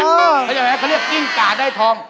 ไม่เป็นไรเขาเรียกกิ้งกะได้ทอง